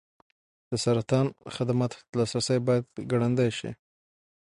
د سرطان خدماتو ته لاسرسی باید ګړندی شي.